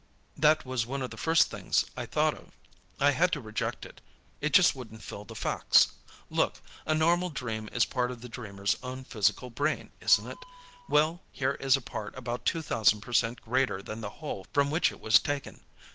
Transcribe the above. "That was one of the first things I thought of. I had to reject it; it just wouldn't fit the facts. Look; a normal dream is part of the dreamer's own physical brain, isn't it? Well, here is a part about two thousand per cent greater than the whole from which it was taken.